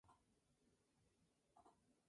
Está situada junto al embalse González Lacasa.